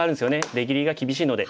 出切りが厳しいので。